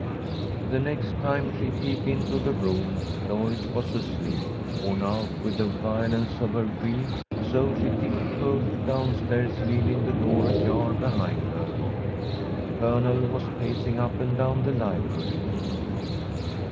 The next time she peeped into the room, Lloyd was asleep, worn out with the violence of her grief, so she tiptoed down stairs, leaving the door ajar behind her. The Colonel was pacing up and down the library.